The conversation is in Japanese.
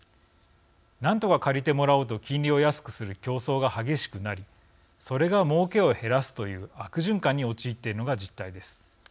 何とか借りてもらおうと金利を安くする競争が激しくなりそれが、もうけを減らすという悪循環に陥っているのが実態です。